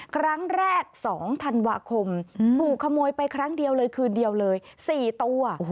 ครั้งแรก๒ธันวาคมถูกขโมยไปครั้งเดียวเลยคืนเดียวเลย๔ตัว